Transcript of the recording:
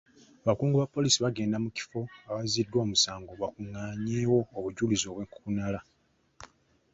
Abakungu ba poliisi bagenda mu kifo awaziddwa omusango bakungaanyeewo obujulizi obwenkukunala.